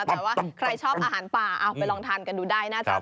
แต่ว่าใครชอบอาหารป่าเอาไปลองทานกันดูได้หน้าจอ